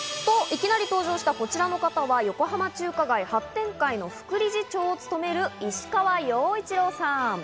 いきなり登場したこちらの方は、横浜中華街発展会の副理事長を務める石河陽一郎さん。